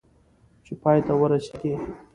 چې پای ته ورسېږي .